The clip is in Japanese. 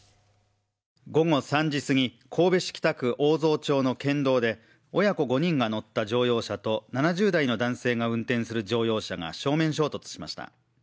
午後３時すぎ、神戸市北区大沢町の県道で親子５人が乗った乗用車と７０代の男性が運転する乗用車が正面衝突しました。